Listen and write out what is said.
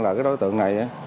là cái đối tượng này